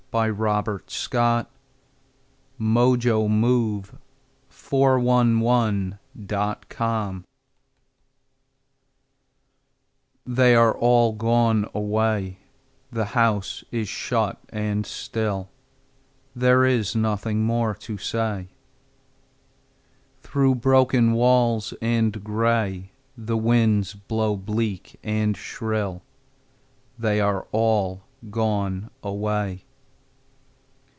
Edwin Arlington Robinson The House on the Hill THEY are all gone away, The house is shut and still, There is nothing more to say. Through broken walls and gray The winds blow bleak and shrill: They are all gone away.